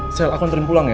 michelle aku nanti pulang ya